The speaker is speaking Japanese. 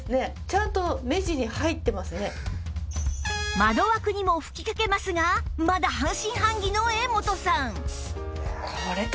窓枠にも吹きかけますがまだ半信半疑の絵元さん